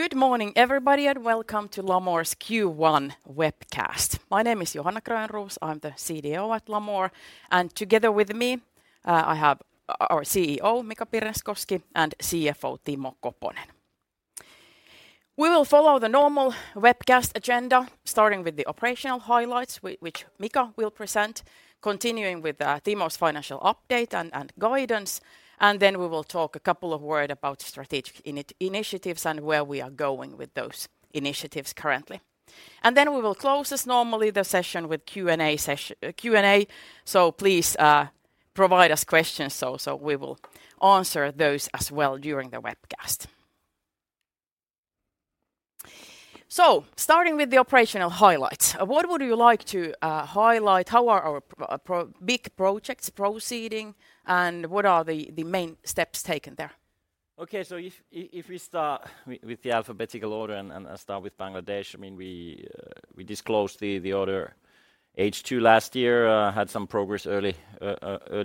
Good morning, everybody, and welcome to Lamor's Q1 webcast. My name is Johanna Grönroos. I'm the CDO at Lamor, and together with me, I have our CEO, Mika Pirneskoski, and CFO Timo Koponen. We will follow the normal webcast agenda, starting with the operational highlights which Mika will present, continuing with Timo's financial update and guidance, and then we will talk a couple of word about strategic initiatives and where we are going with those initiatives currently. We will close as normally the session with Q&A, so please provide us questions so we will answer those as well during the webcast. Starting with the operational highlights, what would you like to highlight? How are our big projects proceeding, and what are the main steps taken there? Okay. If we start with the alphabetical order and start with Bangladesh, I mean, we disclosed the order H2 last year, had some progress early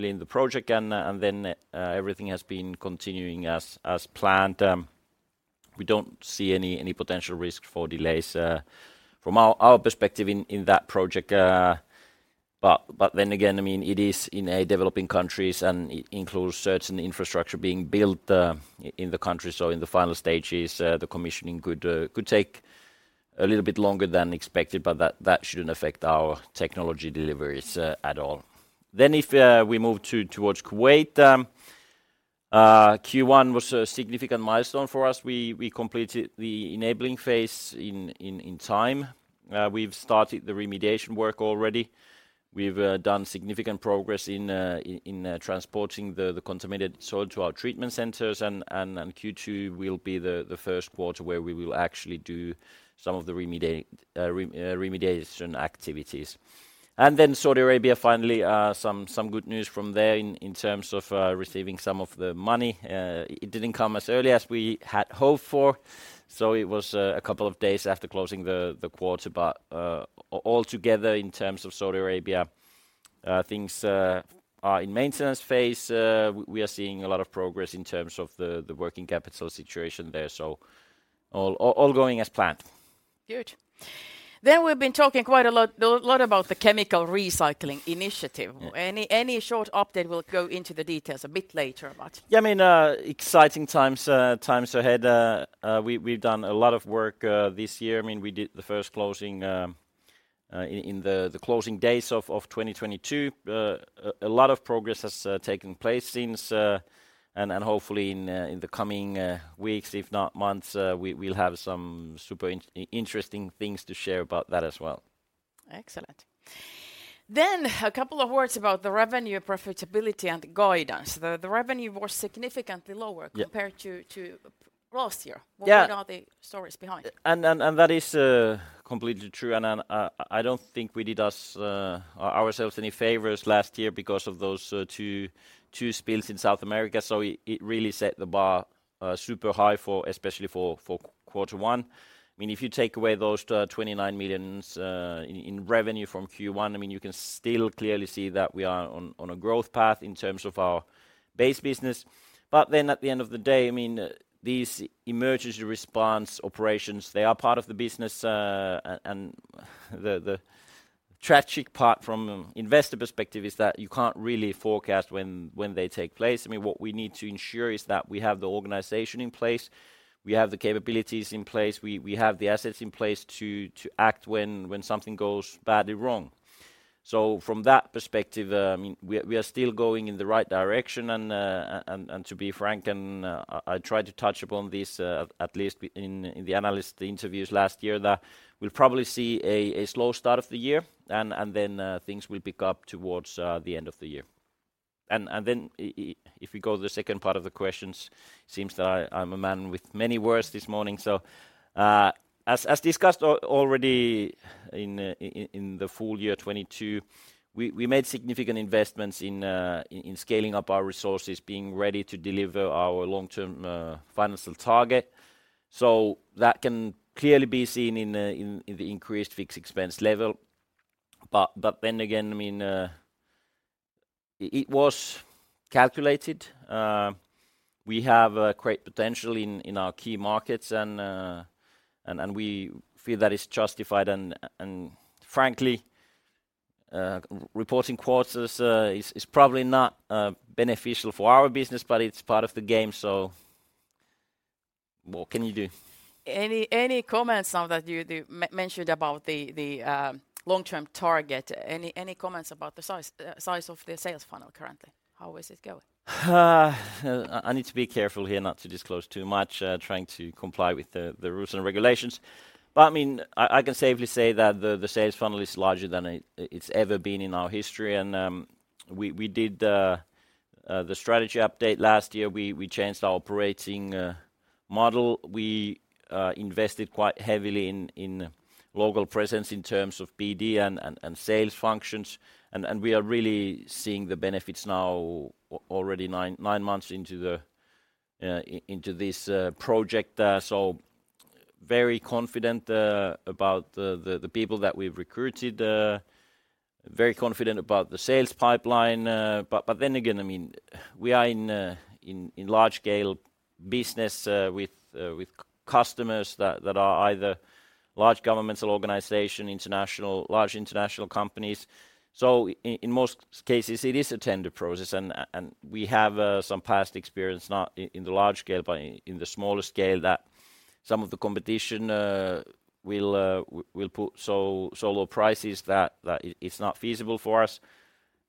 in the project, and then everything has been continuing as planned. We don't see any potential risk for delays from our perspective in that project. Then again, I mean, it is in a developing countries, and it includes certain infrastructure being built in the country. In the final stages, the commissioning could take a little bit longer than expected, but that shouldn't affect our technology deliveries at all. If we move towards Kuwait, Q1 was a significant milestone for us. We completed the enabling phase in time. We've started the remediation work already. We've done significant progress in transporting the contaminated soil to our treatment centers, and Q2 will be the Q1 where we will actually do some of the remediation activities. Saudi Arabia, finally, some good news from there in terms of receiving some of the money. It didn't come as early as we had hoped for, so it was a couple of days after closing the quarter. Altogether, in terms of Saudi Arabia, things are in maintenance phase. We are seeing a lot of progress in terms of the working capital situation there, so all going as planned. Good. We've been talking quite a lot about the chemical recycling initiative. Yeah. Any short update? We'll go into the details a bit later, but. Yeah, I mean, exciting times ahead. We've done a lot of work this year. I mean, we did the first closing in the closing days of 2022. A lot of progress has taken place since, and hopefully in the coming weeks, if not months, we'll have some super interesting things to share about that as well. Excellent. A couple of words about the revenue profitability and guidance. The revenue was significantly. Yeah Compared to last year. Yeah. What are the stories behind? That is completely true. I don't think we did ourselves any favors last year because of those two spills in South America. It really set the bar super high for, especially for Q1. I mean, if you take away those 29 million in revenue from Q1, I mean, you can still clearly see that we are on a growth path in terms of our base business. At the end of the day, I mean, these emergency response operations, they are part of the business and the tragic part from investor perspective is that you can't really forecast when they take place. I mean, what we need to ensure is that we have the organization in place, we have the capabilities in place, we have the assets in place to act when something goes badly wrong. From that perspective, we are still going in the right direction. To be frank, I tried to touch upon this, at least in the analyst interviews last year, that we'll probably see a slow start of the year, and then things will pick up towards the end of the year. Then if we go to the second part of the questions, seems that I'm a man with many words this morning. As discussed already in the full year 2022, we made significant investments in scaling up our resources, being ready to deliver our long-term financial target. That can clearly be seen in the increased fixed expense level. Then again, I mean, it was calculated. We have a great potential in our key markets, and we feel that it's justified. Frankly, reporting quarters is probably not beneficial for our business, but it's part of the game, so what can you do? Any comments now that you mentioned about the long-term target? Any comments about the size of the sales funnel currently? How is it going? I need to be careful here not to disclose too much, trying to comply with the rules and regulations. I mean, I can safely say that the sales funnel is larger than it's ever been in our history. We did the strategy update last year. We changed our operating model. We invested quite heavily in local presence in terms of PD and sales functions. We are really seeing the benefits now already nine months into this project. Very confident about the people that we've recruited. Very confident about the sales pipeline. I mean, we are in large scale business with customers that are either large governmental organization, large international companies. In most cases, it is a tender process and we have some past experience, not in the large scale, but in the smaller scale that some of the competition will put so low prices that it's not feasible for us.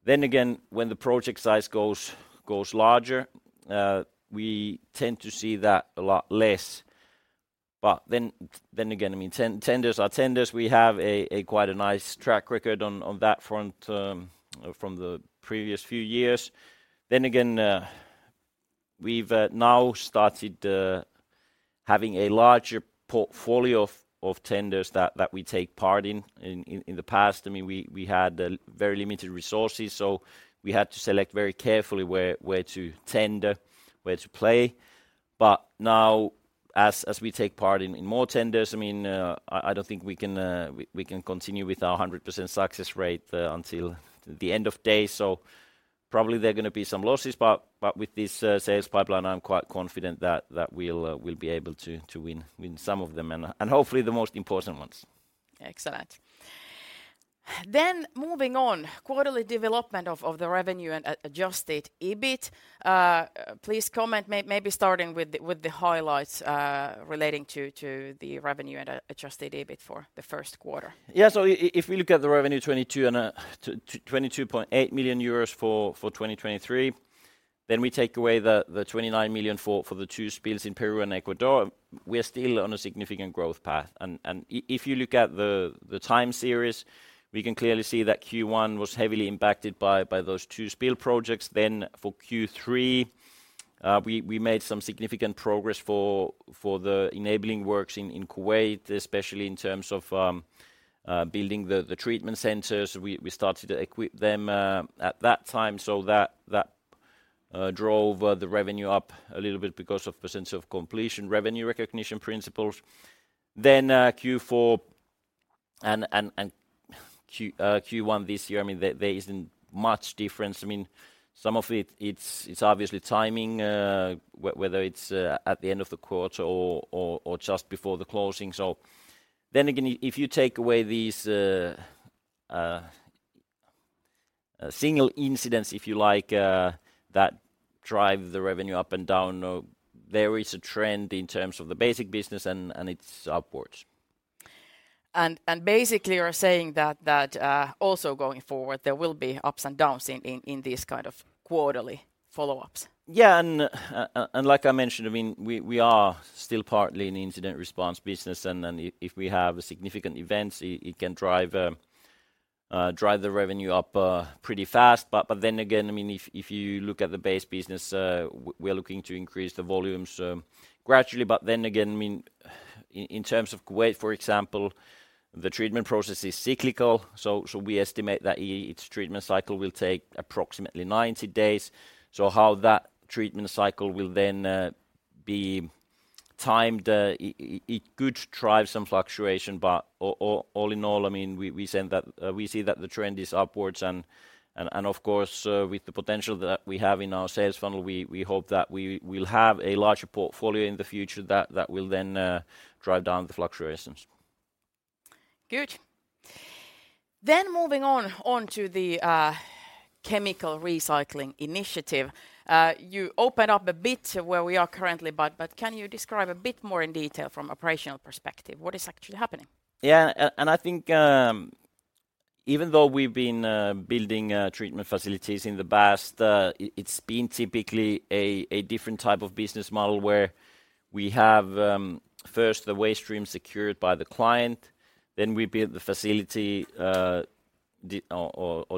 When the project size goes larger, we tend to see that a lot less. I mean, tenders are tenders. We have a quite a nice track record on that front from the previous few years. We've now started having a larger portfolio of tenders that we take part in. In the past, I mean, we had very limited resources, so we had to select very carefully where to tender, where to play. Now as we take part in more tenders, I mean, I don't think we can continue with our 100% success rate until the end of day. Probably there are gonna be some losses, but with this sales pipeline, I'm quite confident that we'll be able to win some of them and hopefully the most important ones. Excellent. Moving on, quarterly development of the revenue and adjusted EBIT. Please comment maybe starting with the highlights relating to the revenue and adjusted EBIT for the first quarter. If we look at the revenue 22.8 million euros for 2023, we take away the 29 million for the two spills in Peru and Ecuador, we are still on a significant growth path. If you look at the time series, we can clearly see that Q1 was heavily impacted by those two spill projects. For Q3, we made some significant progress for the enabling works in Kuwait, especially in terms of building the treatment centers. We started to equip them at that time, so that drove the revenue up a little bit because of percentage of completion revenue recognition principles. Q4 and Q1 this year, I mean, there isn't much difference. I mean, some of it's obviously timing, whether it's at the end of the quarter or just before the closing. Again, if you take away these single incidents, if you like, that drive the revenue up and down, there is a trend in terms of the basic business and it's upwards. Basically you're saying that, also going forward there will be ups and downs in these kind of quarterly follow-ups. Like I mentioned, I mean, we are still partly an incident response business, and then if we have a significant event, it can drive the revenue up pretty fast. Then again, I mean, if you look at the base business, we're looking to increase the volumes gradually. Then again, I mean, in terms of Kuwait, for example, the treatment process is cyclical, so we estimate that each treatment cycle will take approximately 90 days. How that treatment cycle will then be timed, it could drive some fluctuation. All in all, I mean, we said that we see that the trend is upwards and of course, with the potential that we have in our sales funnel, we hope that we will have a larger portfolio in the future that will then drive down the fluctuations. Good. Moving on to the chemical recycling initiative. You opened up a bit where we are currently, but can you describe a bit more in detail from operational perspective what is actually happening? Yeah. I think even though we've been building treatment facilities in the past, it's been typically a different type of business model where we have first the waste stream secured by the client, then we build the facility, or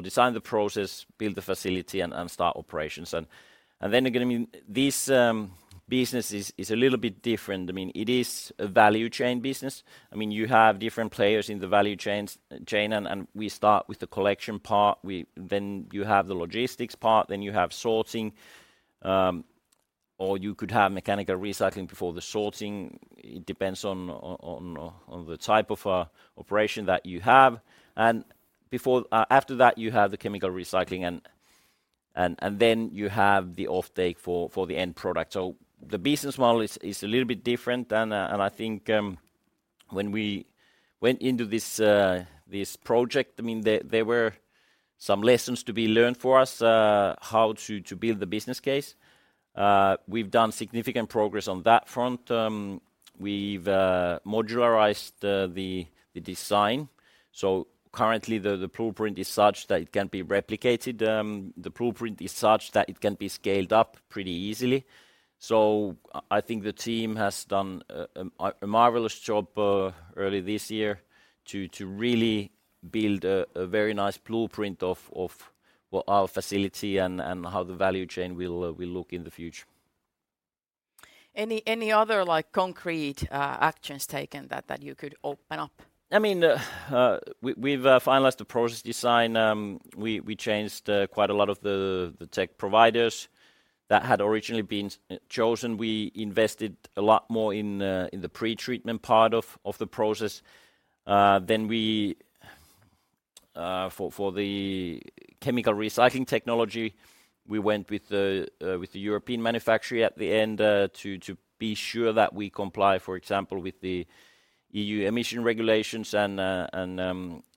design the process, build the facility and start operations. Again, I mean, this business is a little bit different. I mean, it is a value chain business. I mean, you have different players in the value chain and we start with the collection part. You have the logistics part, then you have sorting, or you could have mechanical recycling before the sorting. It depends on the type of operation that you have. After that you have the chemical recycling and then you have the offtake for the end product. The business model is a little bit different. I think, when we went into this project, I mean, there were some lessons to be learned for us, how to build the business case. We've done significant progress on that front. We've modularized the design. Currently the blueprint is such that it can be replicated. The blueprint is such that it can be scaled up pretty easily. I think the team has done a marvelous job early this year to really build a very nice blueprint of what our facility and how the value chain will look in the future. Any other, like, concrete actions taken that you could open up? I mean, we've finalized the process design. We changed quite a lot of the tech providers that had originally been chosen. We invested a lot more in the pre-treatment part of the process than we, for the chemical recycling technology, we went with the European manufacturer at the end to be sure that we comply, for example, with the EU emission regulations and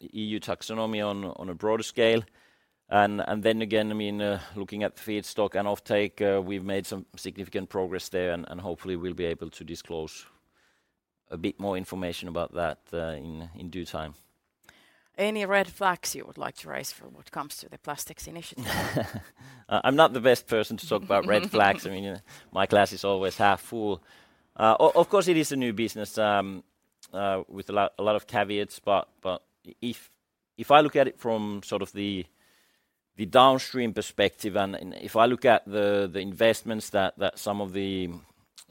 EU Taxonomy on a broader scale. Then again, I mean, looking at feedstock and offtake, we've made some significant progress there and hopefully we'll be able to disclose a bit more information about that in due time. Any red flags you would like to raise for what comes to the plastics initiative? I'm not the best person to talk about red flags. I mean, you know, my glass is always half full. Of course it is a new business with a lot of caveats, but if I look at it from sort of the downstream perspective and if I look at the investments that some of the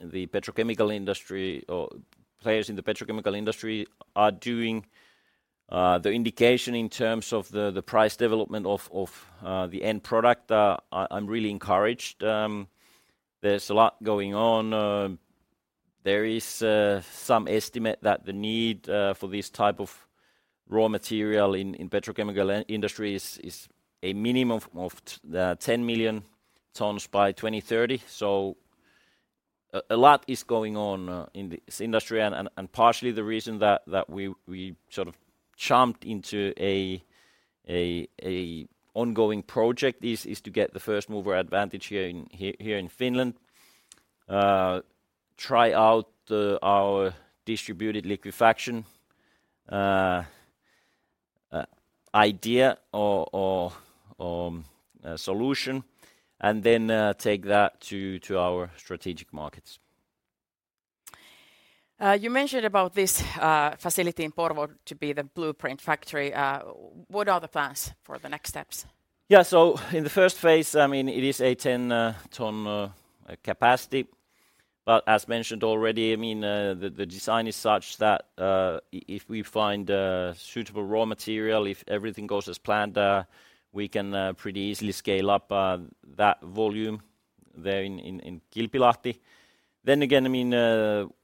petrochemical industry or players in the petrochemical industry are doing, the indication in terms of the price development of the end product, I'm really encouraged. There's a lot going on. There is some estimate that the need for this type of raw material in petrochemical industry is a minimum of 10 million tons by 2030. A lot is going on in this industry and partially the reason that we sort of jumped into an ongoing project is to get the first mover advantage here in Finland. Try out our distributed liquefaction idea or solution, and then take that to our strategic markets. You mentioned about this facility in Porvoo to be the blueprint factory. What are the plans for the next steps? In the first phase, I mean, it is a 10 tons capacity, but as mentioned already, I mean, the design is such that if we find suitable raw material, if everything goes as planned, we can pretty easily scale up that volume there in Kilpilahti. Again, I mean,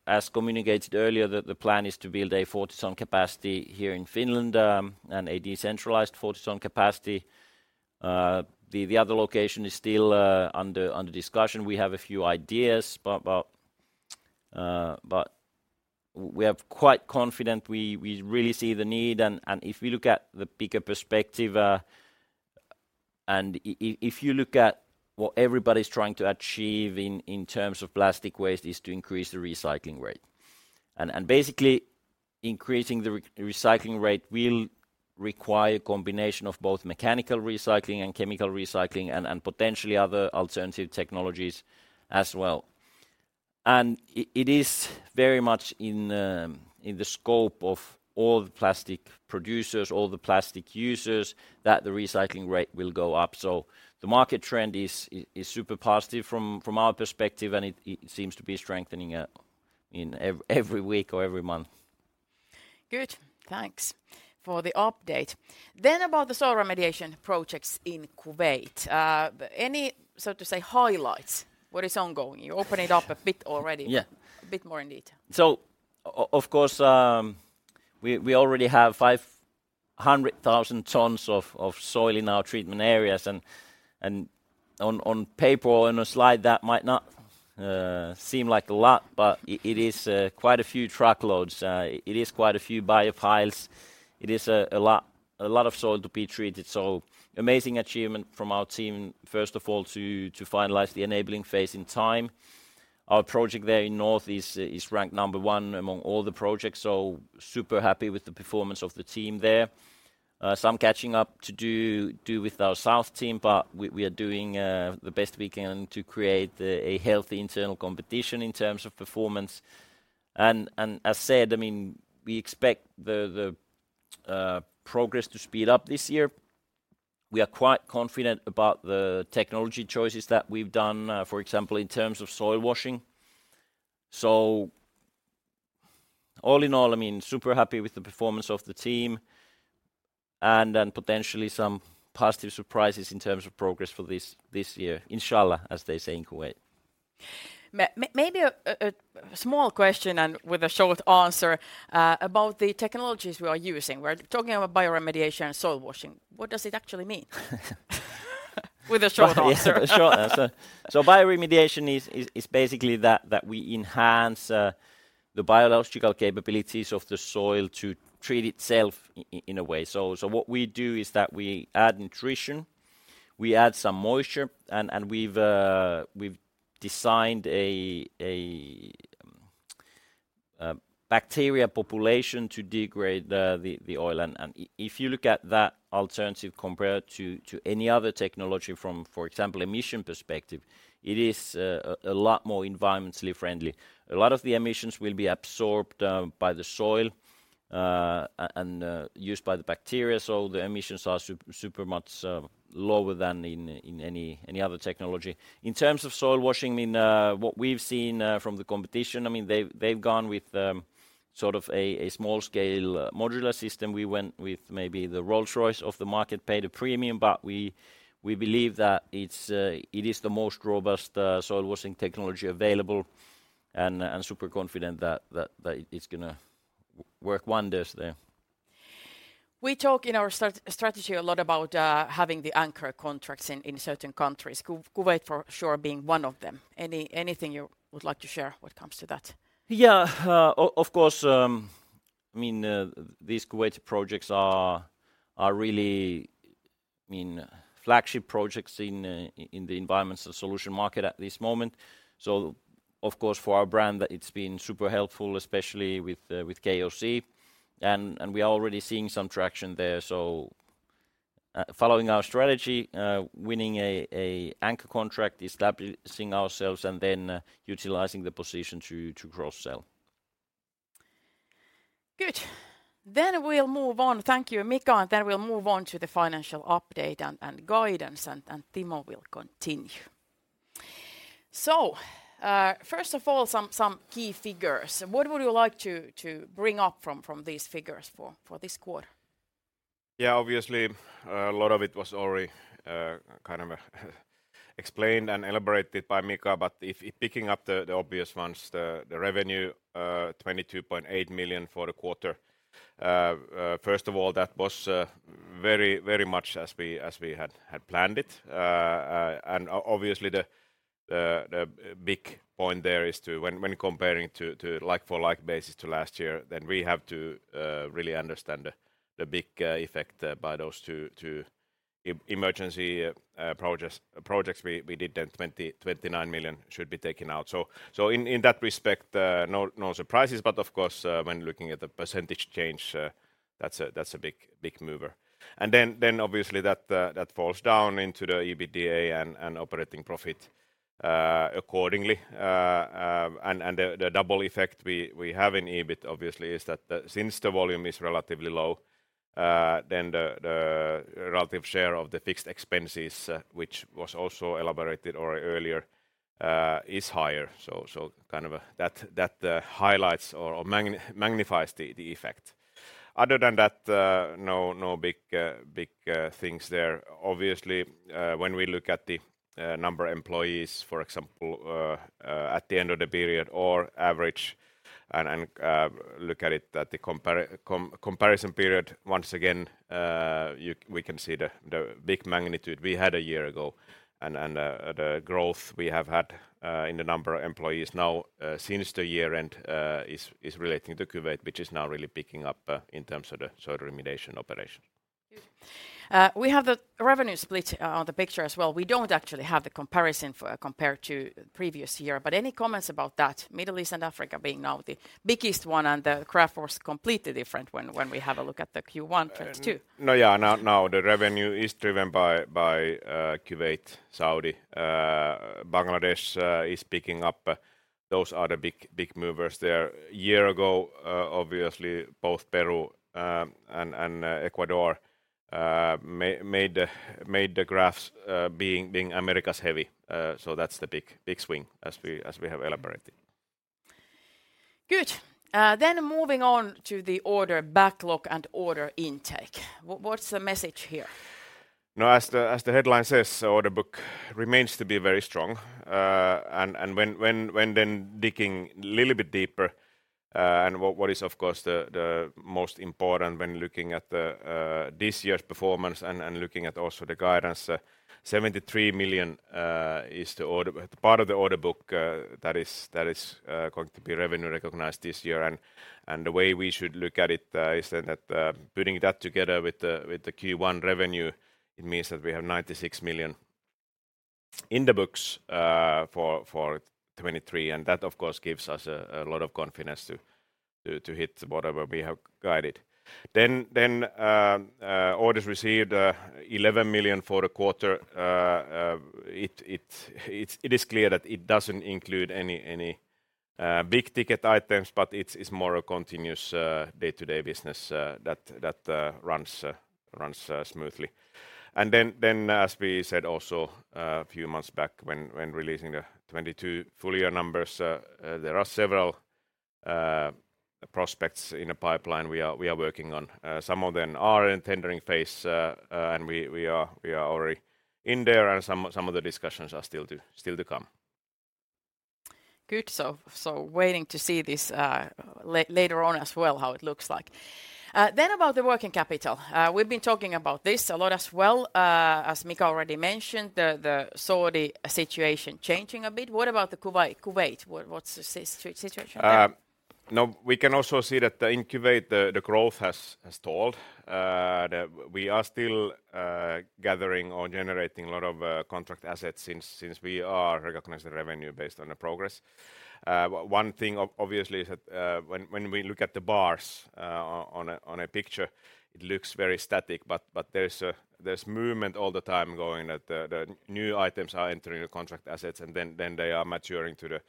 as communicated earlier, the plan is to build a 40 tons capacity here in Finland, and a decentralized 40 tons capacity. The other location is still under discussion. We have a few ideas but we are quite confident we really see the need. If we look at the bigger perspective, and if you look at what everybody's trying to achieve in terms of plastic waste is to increase the recycling rate. Basically increasing the recycling rate will require a combination of both mechanical recycling and chemical recycling and potentially other alternative technologies as well. It is very much in the scope of all the plastic producers, all the plastic users that the recycling rate will go up. The market trend is super positive from our perspective, and it seems to be strengthening in every week or every month. Good. Thanks for the update. About the soil remediation projects in Kuwait. Any, so to say, highlights, what is ongoing? You opened it up a bit already. Yeah. A bit more in detail. Of course, we already have 500,000 tons of soil in our treatment areas, and on paper or in a slide that might not seem like a lot, but it is quite a few truckloads. It is quite a few biopiles. It is a lot of soil to be treated. Amazing achievement from our team, first of all, to finalize the enabling phase in time. Our project there in north is ranked number one among all the projects, super happy with the performance of the team there. Some catching up to do with our south team, but we are doing the best we can to create a healthy internal competition in terms of performance. As said, I mean, we expect the progress to speed up this year. We are quite confident about the technology choices that we've done, for example, in terms of soil washing. All in all, I mean, super happy with the performance of the team and then potentially some positive surprises in terms of progress for this year. Inshallah, as they say in Kuwait. Maybe a small question with a short answer about the technologies we are using. We're talking about bioremediation and soil washing. What does it actually mean? With a short answer. Yes. A short answer. Bioremediation is basically that we enhance the biological capabilities of the soil to treat itself in a way. What we do is that we add nutrition, we add some moisture, and we've designed a bacteria population to degrade the oil. If you look at that alternative compared to any other technology from, for example, emission perspective, it is a lot more environmentally friendly. A lot of the emissions will be absorbed by the soil and used by the bacteria. The emissions are super much lower than in any other technology. In terms of soil washing, I mean, what we've seen from the competition, I mean, they've gone with sort of a small-scale modular system. We went with maybe the Rolls-Royce of the market, paid a premium, but we believe that it's it is the most robust soil washing technology available. Super confident that it's gonna work wonders there. We talk in our strategy a lot about having the anchor contracts in certain countries. Kuwait for sure being one of them. Anything you would like to share when it comes to that? Yeah. Of course, I mean, these Kuwait projects are really, I mean, flagship projects in the environmental solution market at this moment. Of course, for our brand, it's been super helpful, especially with KOC, and we are already seeing some traction there. Following our strategy, winning a anchor contract, establishing ourselves and then utilizing the position to cross-sell. Good. We'll move on. Thank you, Mika. We'll move on to the financial update and guidance, and Timo will continue. First of all, some key figures. What would you like to bring up from these figures for this quarter? Yeah, obviously, a lot of it was already kind of explained and elaborated by Mika. If picking up the obvious ones, the revenue 22.8 million for the quarter. First of all, that was very much as we had planned it. Obviously, the big point there is to, when comparing to like-for-like basis to last year, then we have to really understand the big effect by those two emergency projects we did in 29 million should be taken out. In that respect, no surprises. Of course, when looking at the percentage change, that's a big mover. Then obviously that falls down into the EBITDA and operating profit accordingly and the double effect we have in EBIT obviously is that since the volume is relatively low, then the relative share of the fixed expenses, which was also elaborated earlier, is higher. So kind of that highlights or magnifies the effect. Other than that, no big things there. Obviously, when we look at the number of employees, for example, at the end of the period or average and look at it at the comparison period, once again, we can see the big magnitude we had a year ago. The growth we have had in the number of employees now since the year-end is relating to Kuwait, which is now really picking up in terms of the soil remediation operation. Good. We have the revenue split on the picture as well. We don't actually have the comparison for compared to previous year. Any comments about that? Middle East and Africa being now the biggest one. The graph was completely different when we have a look at the Q1 2022. No, yeah. Now, the revenue is driven by Kuwait, Saudi. Bangladesh is picking up. Those are the big movers there. A year ago, obviously both Peru and Ecuador made the graphs, being Americas heavy. That's the big swing as we have elaborated. Good. Moving on to the order backlog and order intake. What's the message here? Now, as the headline says, order book remains to be very strong. When then digging little bit deeper, and what is of course the most important when looking at the this year's performance and looking at also the guidance, 73 million is the part of the order book that is going to be revenue recognized this year. The way we should look at it is then that putting that together with the Q1 revenue, it means that we have 96 million in the books for 2023. That of course gives us a lot of confidence to hit whatever we have guided. Orders received, 11 million for the quarter. It is clear that it doesn't include any big-ticket items, but it's more a continuous day-to-day business that runs smoothly. Then as we said also a few months back when releasing the 2022 full year numbers, there are several prospects in the pipeline we are working on. Some of them are in tendering phase, and we are already in there and some of the discussions are still to come. Good. Waiting to see this later on as well, how it looks like. About the working capital. We've been talking about this a lot as well. As Mika already mentioned, the Saudi situation changing a bit. What about the Kuwait? What's the situation there? Now we can also see that in Kuwait the growth has stalled. We are still gathering or generating a lot of contract assets since we are recognizing the revenue based on the progress. One thing obviously is that when we look at the bars on a picture, it looks very static, but there's movement all the time going that the new items are entering the contract assets and then they are maturing to the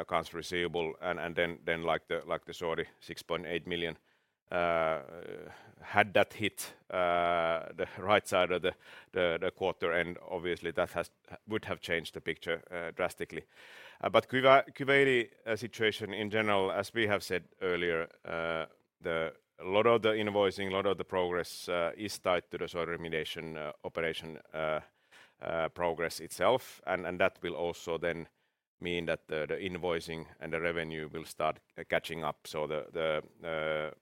accounts receivable and then like the Saudi 6.8 million had that hit the right side of the quarter, and obviously that would have changed the picture drastically. Kuwaiti situation in general, as we have said earlier. A lot of the invoicing, a lot of the progress, is tied to the soil remediation operation progress itself. That will also then mean that the invoicing and the revenue will start catching up. The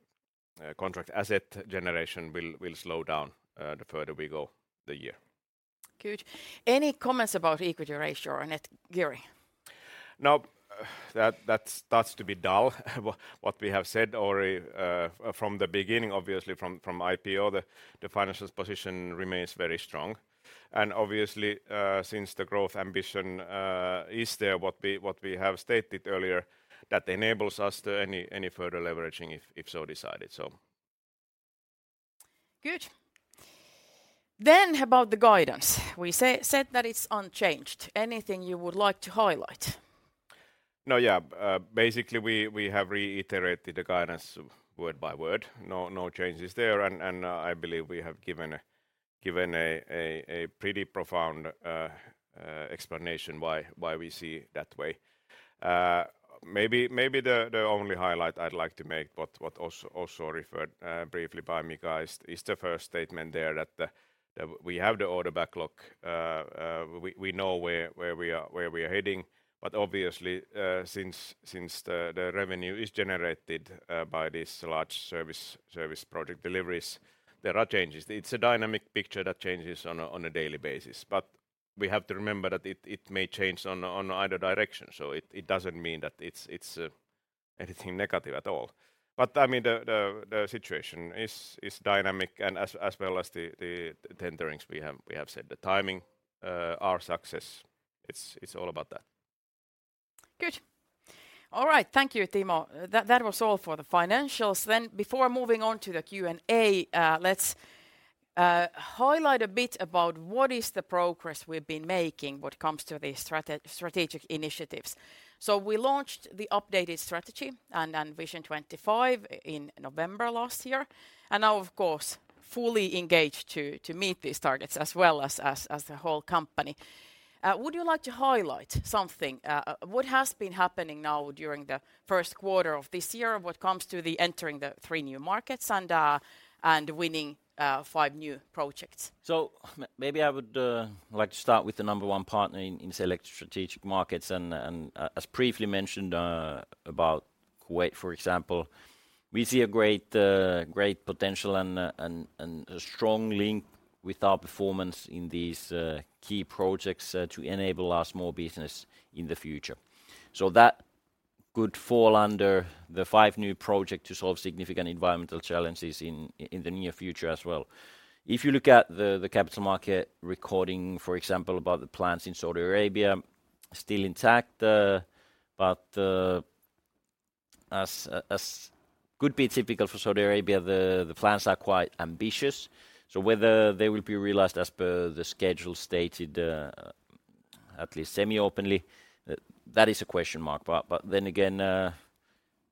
contract asset generation will slow down the further we go the year. Good. Any comments about equity ratio or net gearing? No, that starts to be dull. What we have said already from the beginning, obviously from IPO, the financial position remains very strong. Obviously, since the growth ambition is there, what we have stated earlier, that enables us to any further leveraging if so decided. Good. About the guidance. We said that it's unchanged. Anything you would like to highlight? No, yeah. Basically we have reiterated the guidance word by word. No changes there. I believe we have given a pretty profound explanation why we see it that way. Maybe the only highlight I'd like to make, but what also referred briefly by Mika is the first statement there that we have the order backlog. We know where we are, where we are heading, but obviously, since the revenue is generated by this large service project deliveries, there are changes. It's a dynamic picture that changes on a daily basis. We have to remember that it may change on either direction. It doesn't mean that it's anything negative at all. I mean, the situation is dynamic and as well as the tenderings we have set the timing, our success. It's all about that. Good. All right. Thank you, Timo. That was all for the financials. Before moving on to the Q&A, let's highlight a bit about what is the progress we've been making when it comes to the strategic initiatives. We launched the updated strategy and Vision 2025 in November last year. Now of course, fully engaged to meet these targets as a whole company. Would you like to highlight something, what has been happening now during the first quarter of this year when it comes to the entering the three new markets and winning five new projects? Maybe I would like to start with the number one partner in select strategic markets. As briefly mentioned about Kuwait, for example, we see a great potential and a strong link with our performance in these key projects to enable our small business in the future. That could fall under the five new project to solve significant environmental challenges in the near future as well. If you look at the capital market recording, for example, about the plants in Saudi Arabia, still intact, but as could be typical for Saudi Arabia, the plans are quite ambitious. Whether they will be realized as per the schedule stated at least semi-openly, that is a question mark.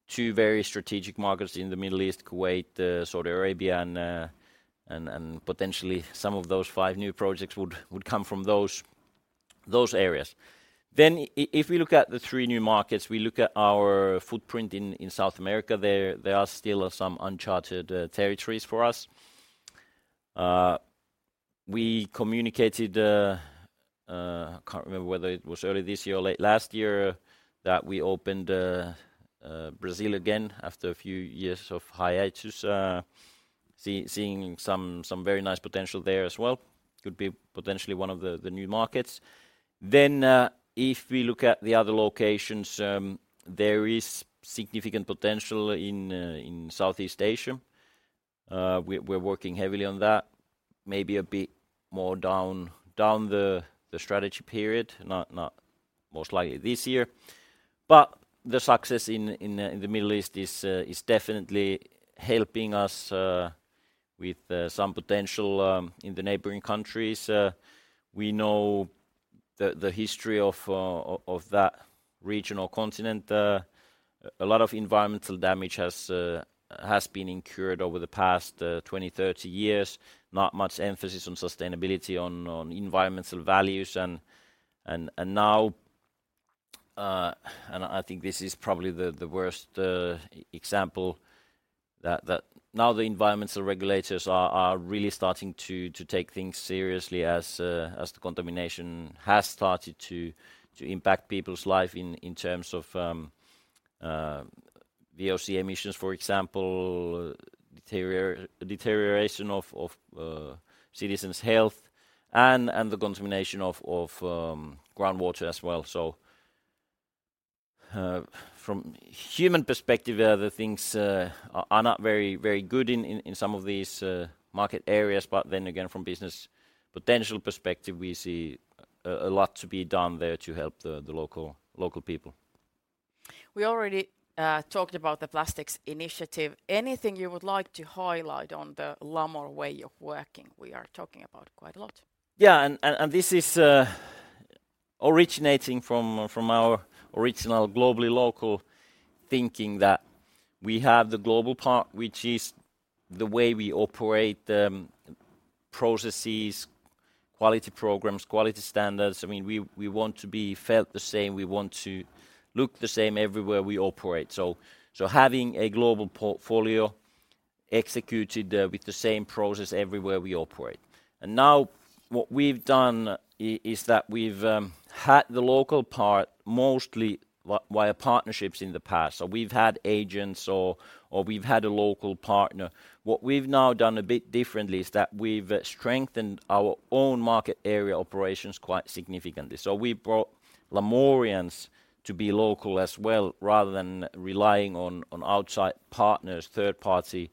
Two very strategic markets in the Middle East, Kuwait, Saudi Arabia, and potentially some of those five new projects would come from those areas. If we look at the three new markets, we look at our footprint in South America, there are still some uncharted territories for us. We communicated, can't remember whether it was early this year or late last year, that we opened Brazil again after a few years of hiatus. Seeing some very nice potential there as well. Could be potentially one of the new markets. If we look at the other locations, there is significant potential in Southeast Asia. We're working heavily on that, maybe a bit more down the strategy period, not most likely this year. The success in the Middle East is definitely helping us with some potential in the neighboring countries. We know the history of that regional continent. A lot of environmental damage has been incurred over the past 20, 30 years. Not much emphasis on sustainability, on environmental values. Now, and I think this is probably the worst example that now the environmental regulators are really starting to take things seriously as the contamination has started to impact people's life in terms of VOC emissions, for example, deterioration of citizens' health and the contamination of groundwater as well. From human perspective, the things are not very good in some of these market areas. From business potential perspective, we see a lot to be done there to help the local people. We already talked about the plastics initiative. Anything you would like to highlight on the Lamor way of working? We are talking about quite a lot. Yeah. This is originating from our original globally local thinking that we have the global part, which is the way we operate, processes, quality programs, quality standards. I mean, we want to be felt the same. We want to look the same everywhere we operate. Having a global portfolio executed with the same process everywhere we operate. Now what we've done is that we've had the local part mostly via partnerships in the past. We've had agents or we've had a local partner. What we've now done a bit differently is that we've strengthened our own market area operations quite significantly. We brought Lamorians to be local as well, rather than relying on outside partners, third-party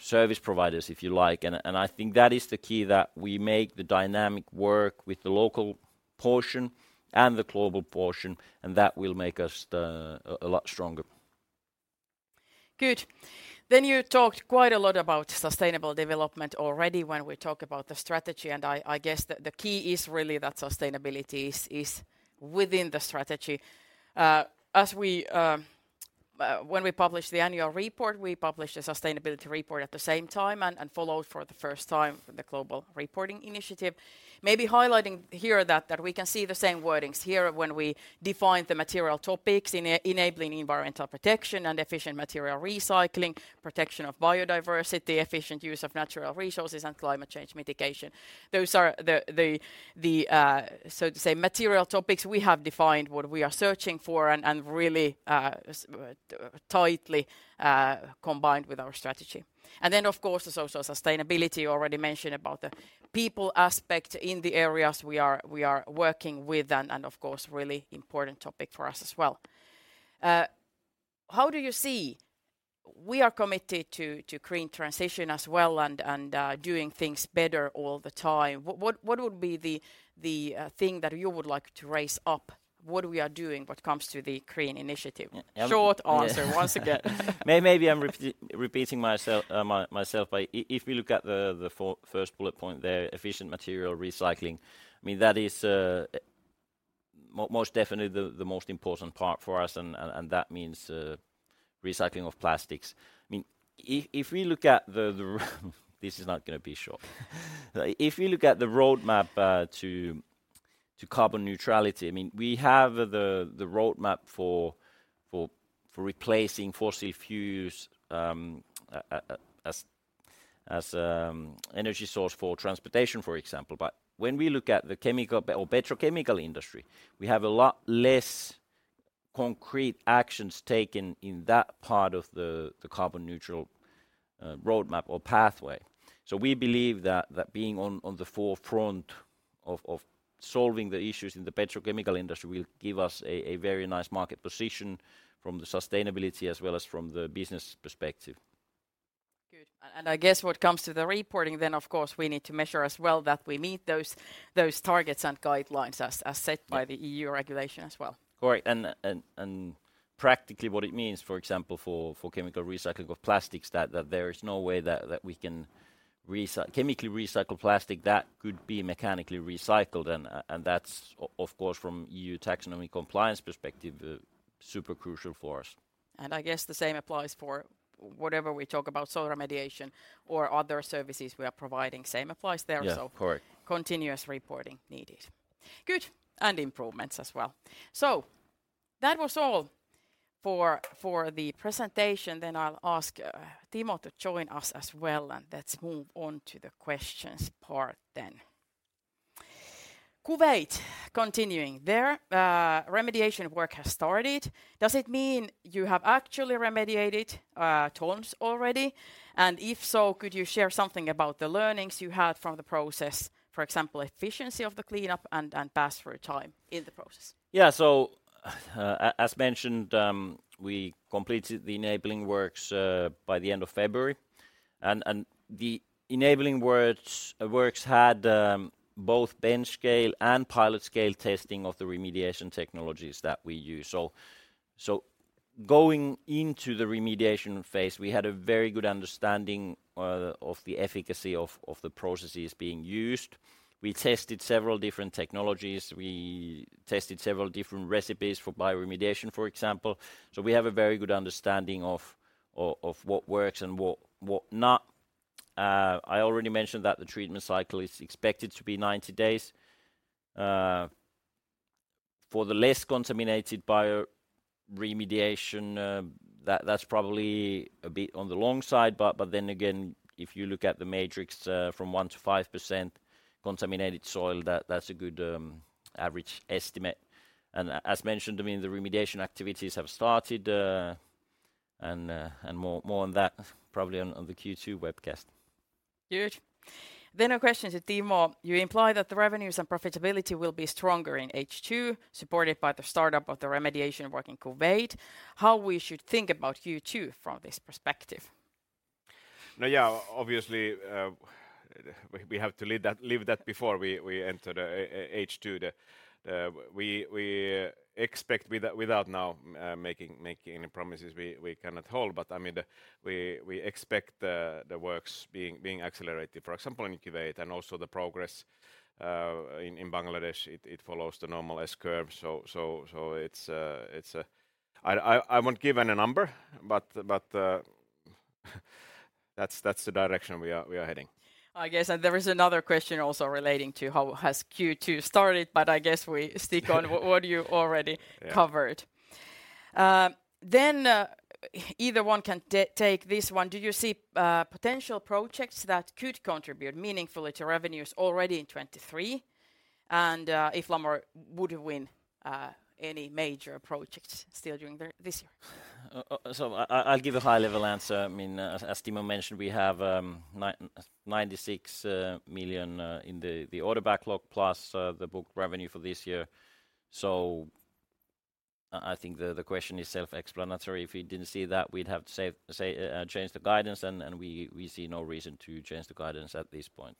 service providers, if you like. I think that is the key that we make the dynamic work with the local portion and the global portion, and that will make us a lot stronger. Good. You talked quite a lot about sustainable development already when we talk about the strategy, and I guess the key is really that sustainability is within the strategy. As we when we publish the annual report, we publish a sustainability report at the same time and followed for the first time the Global Reporting Initiative. Maybe highlighting here that we can see the same wordings here when we define the material topics enabling environmental protection and efficient material recycling, protection of biodiversity, efficient use of natural resources, and climate change mitigation. Those are the so to say, material topics we have defined what we are searching for and really tightly combined with our strategy. Of course, there's also sustainability. You already mentioned about the people aspect in the areas we are working with and of course, really important topic for us as well. How do you see we are committed to green transition as well and doing things better all the time. What would be the thing that you would like to raise up what we are doing when it comes to the green initiative? Yeah, I would. Short answer once again. Yeah. Maybe I'm repeating myself, but if we look at the first bullet point there, efficient material recycling, I mean, that is most definitely the most important part for us and that means recycling of plastics. I mean, if we look at the, this is not gonna be short. If we look at the roadmap to carbon neutrality, I mean, we have the roadmap for replacing fossil fuels as energy source for transportation, for example. When we look at the chemical or petrochemical industry, we have a lot less concrete actions taken in that part of the carbon neutral roadmap or pathway. We believe that being on the forefront of solving the issues in the petrochemical industry will give us a very nice market position from the sustainability as well as from the business perspective. Good. I guess what comes to the reporting then, of course, we need to measure as well that we meet those targets and guidelines as set by the EU regulation as well. Correct. Practically what it means, for example, for chemical recycling of plastics, that there is no way that we can chemically recycle plastic that could be mechanically recycled and that's of course from EU Taxonomy compliance perspective super crucial for us. I guess the same applies for whatever we talk about soil remediation or other services we are providing, same applies there. Yeah, correct. Continuous reporting needed. Good, and improvements as well. That was all for the presentation. Then I'll ask, Timo to join us as well, and let's move on to the questions part then. Kuwait, continuing there, remediation work has started. Does it mean you have actually remediated, tons already? If so, could you share something about the learnings you had from the process? For example, efficiency of the cleanup and pass through time in the process. As mentioned, we completed the enabling works by the end of February. The enabling works had both bench-scale and pilot-scale testing of the remediation technologies that we use. Going into the remediation phase, we had a very good understanding of the efficacy of the processes being used. We tested several different technologies. We tested several different recipes for bioremediation, for example. We have a very good understanding of what works and what not. I already mentioned that the treatment cycle is expected to be 90 days. For the less contaminated bioremediation, that's probably a bit on the long side, but then again, if you look at the matrix, from 1%-5% contaminated soil, that's a good average estimate. As mentioned, I mean, the remediation activities have started, and more on that probably on the Q2 webcast. Good. A question to Timo. You imply that the revenues and profitability will be stronger in H2, supported by the startup of the remediation work in Kuwait. How we should think about Q2 from this perspective? Obviously, we have to leave that before we enter the H2. We expect without now making any promises we cannot hold, but I mean, we expect the works being accelerated, for example, in Kuwait and also the progress in Bangladesh. It follows the normal S-curve. It's, I won't give any number, but that's the direction we are heading. I guess, there is another question also relating to how has Q2 started, but I guess we stick on what you already covered. Then, either one can take this one. Do you see potential projects that could contribute meaningfully to revenues already in 2023? If Lamor would win, any major projects still during this year? I'll give a high level answer. I mean, as Timo mentioned, we have 96 million in the order backlog plus the booked revenue for this year. I think the question is self-explanatory. If we didn't see that, we'd have to say, change the guidance and we see no reason to change the guidance at this point.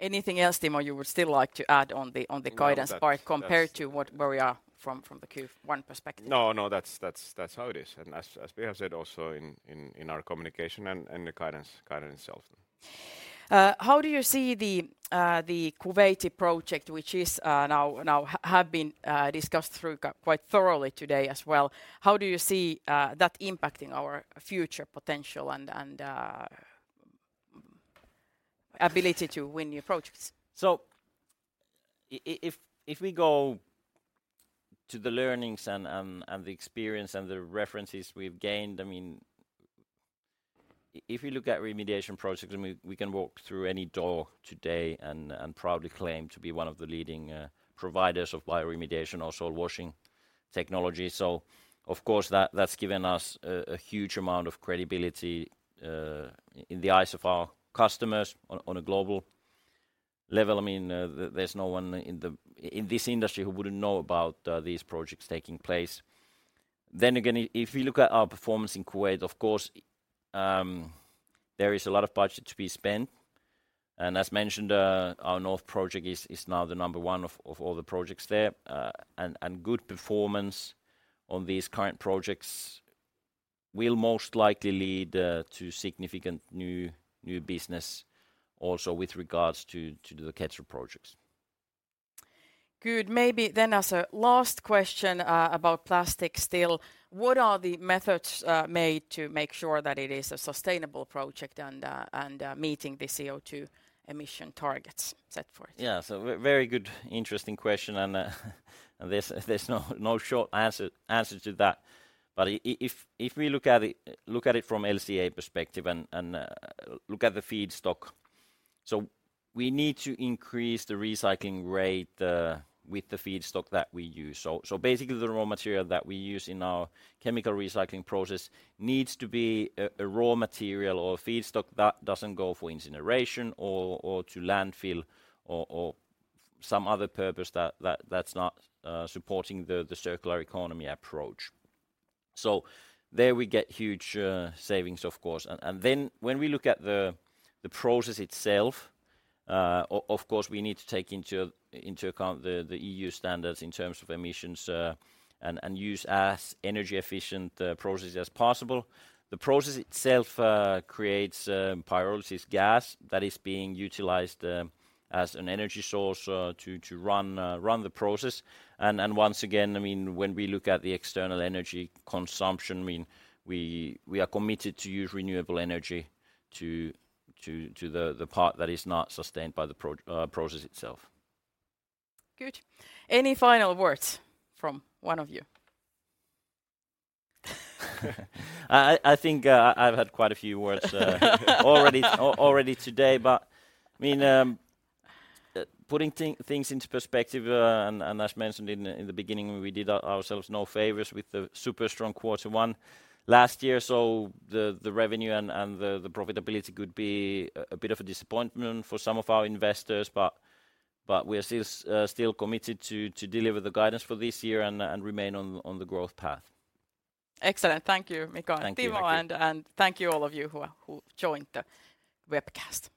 Anything else, Timo, you would still like to add on the guidance part compared to what, where we are from the Q1 perspective? No, no, that's, that's how it is. As we have said also in our communication and the guidance itself. How do you see the Kuwaiti project, which is now have been discussed through quite thoroughly today as well? How do you see that impacting our future potential and ability to win new projects? If we go to the learnings and the experience and the references we've gained, I mean, if you look at remediation projects, I mean, we can walk through any door today and proudly claim to be one of the leading providers of bioremediation or soil washing technology. Of course, that's given us a huge amount of credibility in the eyes of our customers on a global level. I mean, there's no one in this industry who wouldn't know about these projects taking place. Again, if you look at our performance in Kuwait, of course, there is a lot of budget to be spent. As mentioned, our North project is now the number one of all the projects there, and good performance on these current projects will most likely lead to significant new business also with regards to the KERP projects. Good. Maybe as a last question, about plastic still. What are the methods made to make sure that it is a sustainable project and meeting the CO2 emission targets set for it? Yeah. So very good, interesting question. There's no short answer to that. If we look at it from LCA perspective and look at the feedstock, we need to increase the recycling rate with the feedstock that we use. Basically, the raw material that we use in our chemical recycling process needs to be a raw material or feedstock that doesn't go for incineration or to landfill or some other purpose that's not supporting the circular economy approach. There we get huge savings, of course. Then when we look at the process itself, of course, we need to take into account the EU standards in terms of emissions and use as energy efficient process as possible. The process itself, creates, pyrolysis gas that is being utilized, as an energy source, to run the process. Once again, I mean, when we look at the external energy consumption, I mean, we are committed to use renewable energy to the part that is not sustained by the process itself. Good. Any final words from one of you? I think, I've had quite a few words already today, but I mean, putting things into perspective, and as mentioned in the beginning, we did ourselves no favors with the super strong Q1 last year. The revenue and the profitability could be a bit of a disappointment for some of our investors, but we are still committed to deliver the guidance for this year and remain on the growth path. Excellent. Thank you, Mika and Timo. Thank you. Thank you all of you who joined the webcast.